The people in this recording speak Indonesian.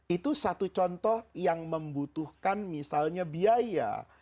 itu satu contoh yang membutuhkan misalnya biaya